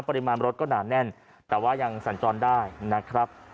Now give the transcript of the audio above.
ปริมาณรถก็หนาแน่นแต่ว่ายังสัญจรได้นะครับ